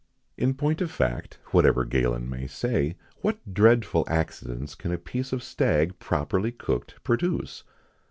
In point of fact, whatever Galen may say, what dreadful accidents can a piece of stag properly cooked produce?